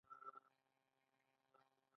کله چې افغانستان کې ولسواکي وي افغانان سرلوړي وي.